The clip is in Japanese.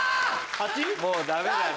もうダメだ。